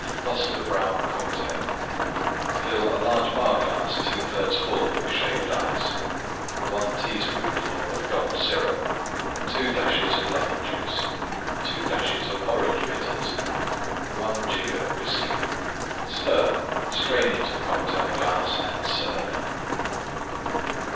BUSTER BROWN COCKTAIL Fill large Bar glass 2/3 full Shaved Ice. 1 teaspoonful Gum Syrup. 2 dashes Lemon Juice. 2 dashes Orange Bitters. 1 jigger Whiskey. Stir; strain into Cocktail glass and serve.